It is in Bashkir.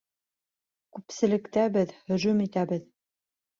Күпселектәбеҙ, һөжүм итәбеҙ.